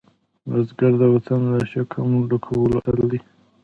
بزګر د وطن د شکم ډکولو اتل دی